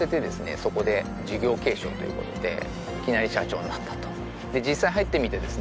そこで事業継承ということでいきなり社長になったとで実際入ってみてですね